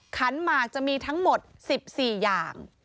คันหมากจะมีทั้งหมดสิบสี่อย่าง